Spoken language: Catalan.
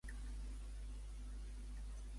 Qui es creu que havia sigut familiar de Brancos?